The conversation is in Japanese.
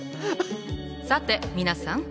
さて皆さん。